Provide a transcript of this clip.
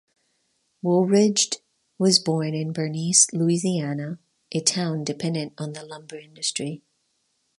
Woolridge was born in Bernice, Louisiana, a town dependent on the lumber industry.